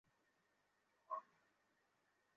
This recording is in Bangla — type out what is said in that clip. এবং পুরোপুরি ড্রেসে।